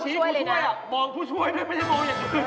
ชี้ผู้ช่วยอ่ะมองผู้ช่วยไม่ใช่มองเหลือ